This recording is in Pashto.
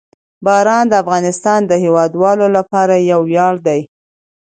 باران د افغانستان د هیوادوالو لپاره یو ویاړ دی.